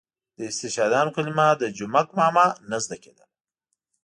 د استشهادیانو کلمه د جومک ماما ته نه زده کېدله.